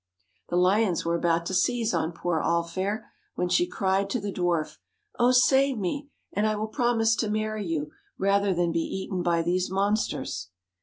The lions were about to seize on poor All fair, when she cried to the Dwarf, ' Oh, save me ! and I will promise to marry you, rather than be eaten by these monsters.'